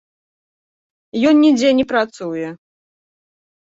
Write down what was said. Ён нідзе не працуе.